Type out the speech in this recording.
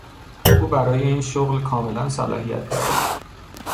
او برای این شغل کاملا صلاحیت دارد.